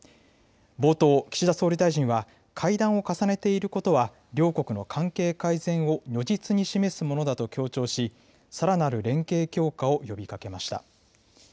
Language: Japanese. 冒頭、岸田総理大臣は、会談を重ねていることは、両国の関係改善を如実に示すものだと強調し、さらなる連携強化を呼びかけました。